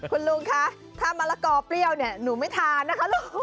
คุณลุงคะถ้ามะละกอเปรี้ยวเนี่ยหนูไม่ทานนะคะลุง